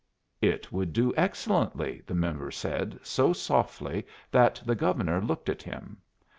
It would do excellently, the member said, so softly that the Governor looked at him.